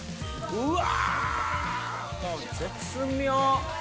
うわ！